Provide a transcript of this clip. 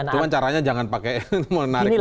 cuman caranya jangan pakai mau menarik mobil